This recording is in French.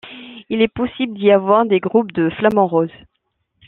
Il est possible d'y voir des groupes de flamants roses.